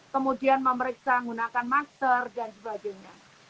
kemudian memeriksa menggunakan masker dan sebagainya